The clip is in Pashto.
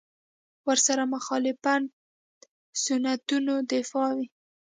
ورسره مخالفت سنتونو دفاع وي.